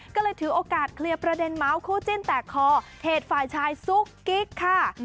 ก็เลยถือโอกาสเคลียร์ประเด็นเมาส์คู่จิ้นแตกคอเหตุฝ่ายชายซุกกิ๊กค่ะ